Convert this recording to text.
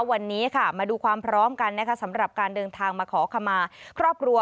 วันนี้ค่ะมาดูความพร้อมกันนะคะสำหรับการเดินทางมาขอขมาครอบครัว